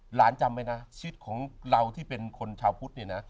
หลานจำไหมน่ะชีวิตของเราที่เป็นคนชาวพุทธนี่น่ะ